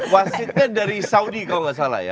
wasitnya dari saudi kalau nggak salah ya